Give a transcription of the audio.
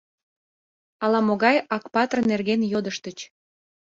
Ала-могай Акпатыр нерген йодыштыч.